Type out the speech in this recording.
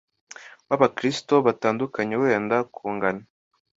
w'abakristo batandukana, wenda kungana